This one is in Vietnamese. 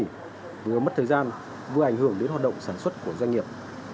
ngừa mất thời gian vừa ảnh hưởng đến hoạt động sản xuất của doanh nghiệp